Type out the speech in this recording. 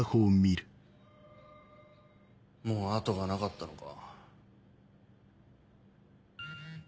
もう後がなかったのか。